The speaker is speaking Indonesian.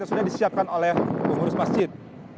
hanya disiapkan oleh pengurus masjid